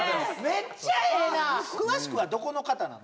めっちゃええな！